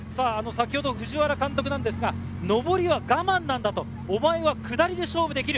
藤原監督は、上りは我慢なんだ、お前は下りで勝負できる。